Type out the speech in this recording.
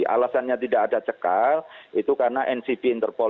alasannya tidak ada cekal itu karena ncb interpol